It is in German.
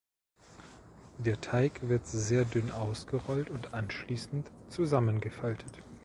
Der Teig wird sehr dünn ausgerollt und anschließend zusammengefaltet.